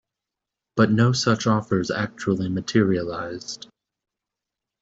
But no such offers actually materialized.